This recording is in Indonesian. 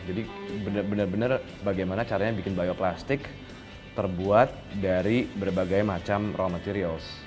jadi bener bener bagaimana caranya bikin bioplastik terbuat dari berbagai macam raw materials